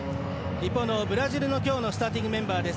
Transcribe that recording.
一方のブラジルの今日のスターティングメンバーです。